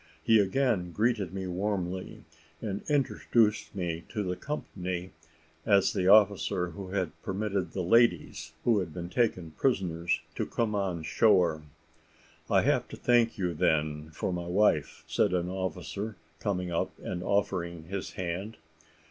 He again greeted me warmly, and introduced me to the company as the officer who had permitted the ladies, who had been taken prisoners, to come on shore. "I have to thank you, then, for my wife," said an officer, coming up and offering his hand.